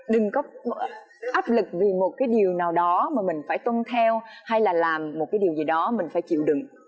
đừng có áp lực vì một cái điều nào đó mà mình phải tuân theo hay là làm một cái điều gì đó mình phải chịu đựng